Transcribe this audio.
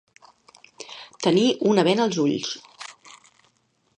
Tenir una bena als ulls.